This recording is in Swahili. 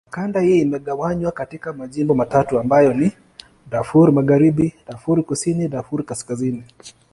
Kanda hii imegawanywa katika majimbo matatu ambayo ni: Darfur Magharibi, Darfur Kusini, Darfur Kaskazini.